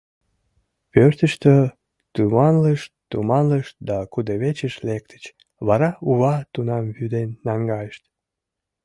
Пӧртыштӧ туманлышт-туманлышт да кудывечыш лектыч, вара ува тунам вӱден наҥгайышт...